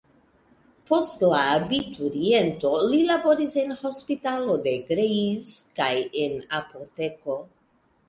Post la abituriento, li laboris en hospitalo de Greiz kaj en apoteko.